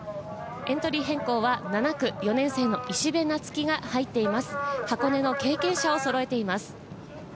エントリー変更は７区・４年生の石部夏希が入っています。